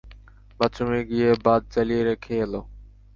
বাথরুমে গিয়ে বাত জ্বালিয়ে রেখে এল।